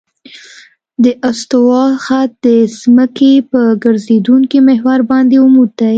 د استوا خط د ځمکې په ګرځېدونکي محور باندې عمود دی